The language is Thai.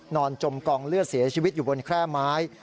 จมกองเลือดเสียชีวิตอยู่บนแคร่ไม้